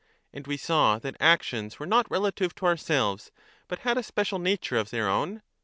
And we saw that actions were not relative to our selves, but had a special natiu"e of their own?